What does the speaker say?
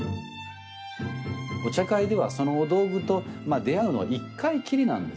お茶会ではそのお道具とまあ出会うのは一回きりなんですね。